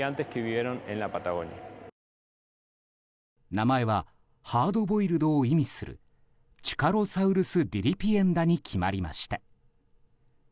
名前はハードボイルドを意味するチュカロサウルス・ディリピエンダに決まりました。